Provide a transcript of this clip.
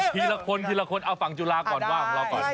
ทีละคนทีละคนเอาฝั่งจุฬาก่อนว่าของเราก่อน